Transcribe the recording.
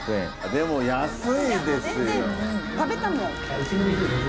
でも安いですよ。